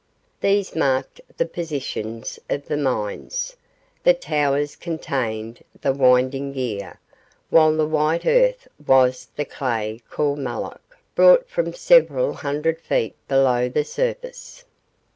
These marked the positions of the mines the towers contained the winding gear, while the white earth was the clay called mulloch, brought from several hundred feet below the surface.